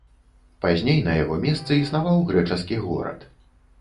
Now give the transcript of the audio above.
Пазней на яго месцы існаваў грэчаскі горад.